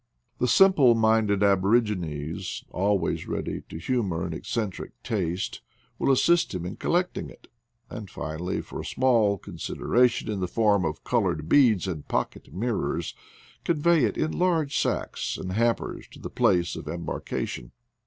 The simple minded aborigi nes, always ready to humor an eccentric taste, will assist him in collecting it ; and, finally, for a small consideration in the form of colored beads and pocket mirrors, convey it in large sacks and hampers to the place of embarkation.